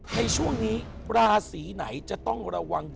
ในช่วงนี้ราศีไหนจะต้องระวัง